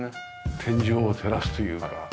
天井を照らすというか。